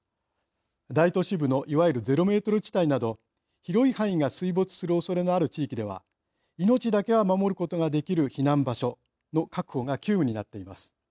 大都市部のいわゆるゼロメートル地帯など広い範囲が水没するおそれのある地域では命だけは守ることができる避難場所の確保が急務になっています。